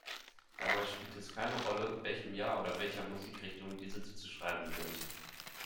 Dabei spielte es keine Rolle, welchem Jahr oder welcher Musikrichtung diese zuzuschreiben sind.